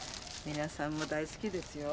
皆さんも大好きですよ。